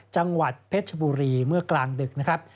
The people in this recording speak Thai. จังหวัดเพชรชบุรีเมื่อกลางดึกนะครับ